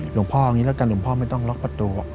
หลวงพ่ออย่างนี้แล้วกันหลวงพ่อไม่ต้องล็อกประตู